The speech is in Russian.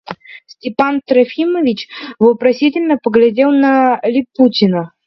Степан Трофимович вопросительно поглядел на Липутина.